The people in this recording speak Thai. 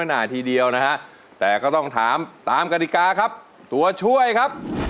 ยังไม่ต้องวิเคราะห์หน้าน้อยน่าขอวิเคราะห์หน้าน้อยน่าขอวิเคราะห์หน้าน้อยน่าขอวิเคราะห์หน้าน้อยน่า